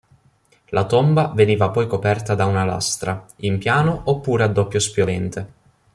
La tomba veniva poi coperta da una lastra, in piano oppure a doppio spiovente.